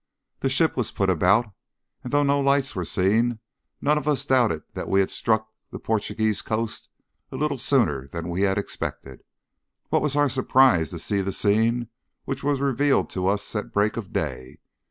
The ship was put about, and, though no lights were seen, none of us doubted that we had struck the Portuguese coast a little sooner than we had expected. What was our surprise to see the scene which was revealed to us at break of day!